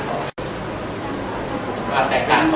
สวัสดีครับ